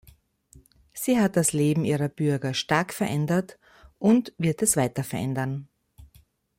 Sie hat das Leben ihrer Bürger stark verändert und wird es weiter verändern.